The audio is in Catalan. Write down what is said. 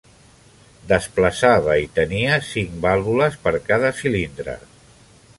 Desplaçava i tenia cinc vàlvules per cada cilindre.